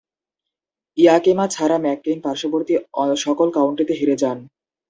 ইয়াকিমা ছাড়া ম্যাককেইন পার্শ্ববর্তী সকল কাউন্টিতে হেরে যান।